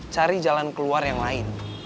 cari jalan keluar yang lain